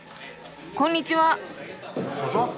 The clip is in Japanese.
こんにちは。